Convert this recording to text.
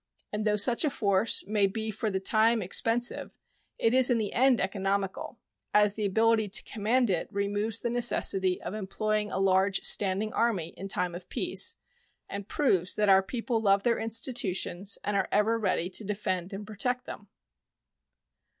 And though such a force may be for the time expensive, it is in the end economical, as the ability to command it removes the necessity of employing a large standing army in time of peace, and proves that our people love their institutions and are ever ready to defend and protect them.